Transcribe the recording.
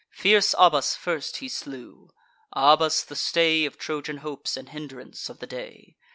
Fierce Abas first he slew; Abas, the stay Of Trojan hopes, and hindrance of the day.